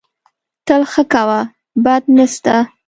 تل ښه کوه، بد نه سته